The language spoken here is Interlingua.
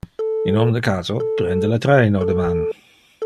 In omne caso, prende le traino deman.